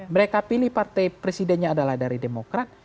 mereka pilih partai presidennya adalah dari demokrat